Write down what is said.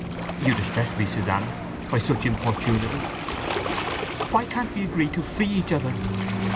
"You distress me, Susanna, by such importunity!" "Why can't we agree to free each other?